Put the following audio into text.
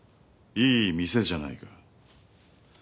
いい店じゃないか。